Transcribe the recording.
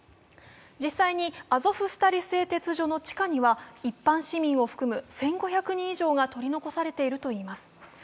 実際にアゾフスタリ製鉄所の地下には一般市民を含む１５００人以上が取り残されているといいます。